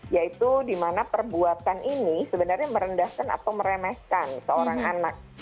yaitu dimana perbuatan ini sebenarnya merendahkan atau meremeskan seorang anak